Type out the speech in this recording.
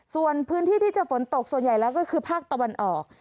ส่วนพื้นที่ที่จะฝนตกส่วนใหญ่แล้วก็คือภาคตะวันออก